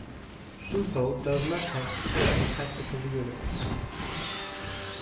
Supo does not have special tactical units.